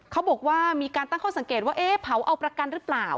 เขาบอกว่ามีการตั้งข้อสังเกตว่าเอ๊ะเผาเอาประกันหรือเปล่า